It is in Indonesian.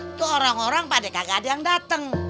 itu orang orang pada kadang kadang datang